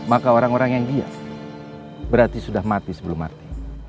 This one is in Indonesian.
maka orang orang yang dia berarti sudah mati sebelum mati